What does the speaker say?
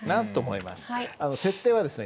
設定はですね